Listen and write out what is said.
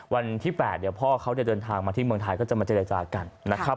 วันที่๘เดี๋ยวพ่อเขาจะเดินทางมาที่เมืองไทยก็จะมาเจรจากันนะครับ